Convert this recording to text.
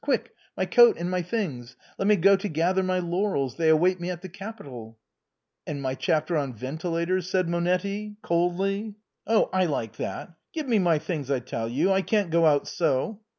Quick ! my coat and my things ! Let me go to gather my laurels. They await me at the Capitol !"" And my chapter on ventilators ?" said Monetti, coldly. " I like that ! Give me my things, I tell you ; I can't go out so